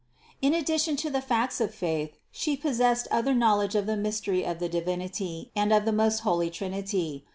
229. In addition to the facts of faith She possessed other knowledge of the mystery of the Divinity and of the most holy Trinity.